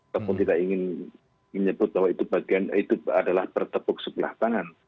tapi tidak ingin menyebut bahwa itu adalah bertepuk sebelah tangan